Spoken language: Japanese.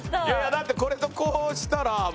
だってこれとこうしたらもう。